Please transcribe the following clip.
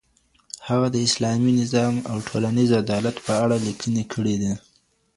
هغه د اسلامي نظام او ټولنيز عدالت په اړه ليکنې کړې دي.